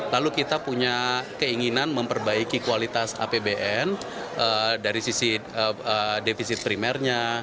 lalu kita punya keinginan memperbaiki kualitas apbn dari sisi defisit primernya